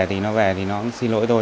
thì nó về thì nó xin lỗi tôi